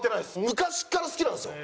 昔から好きなんですよ。